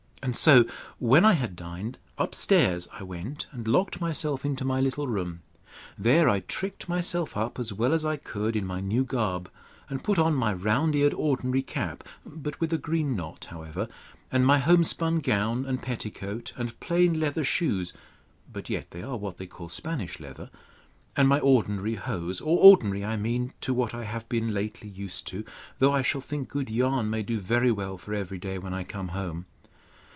And so, when I had dined, up stairs I went, and locked myself into my little room. There I tricked myself up as well as I could in my new garb, and put on my round eared ordinary cap; but with a green knot, however, and my homespun gown and petticoat, and plain leather shoes; but yet they are what they call Spanish leather; and my ordinary hose, ordinary I mean to what I have been lately used to; though I shall think good yarn may do very well for every day, when I come home.